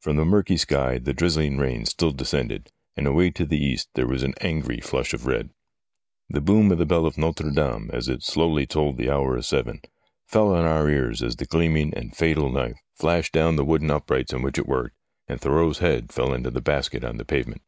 From the murky sky the drizzling rain still descended, and away to the east there was an angry flush of red. The boom of the bell of Notre Dame, as it slowly tolled the hour of seven, fell on our ears as the gleaming and fatal knife flashed down the wooden 76 STORIES WEIRD AND WONDERFUL uprights in which it worked, and Thurreau's head fell into the basket on the pavement.